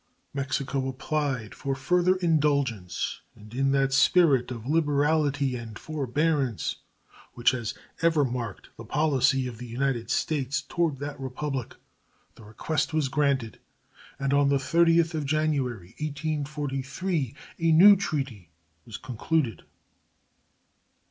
Mexico applied for further indulgence, and, in that spirit of liberality and forbearance which has ever marked the policy of the United States toward that Republic, the request was granted, and on the 30th of January, 1843, a new treaty was concluded.